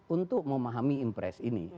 untuk memahami impres ini